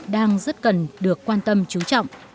đang rất cần được quan tâm chú trọng